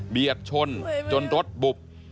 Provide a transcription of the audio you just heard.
เบียดชนจนรถบุบ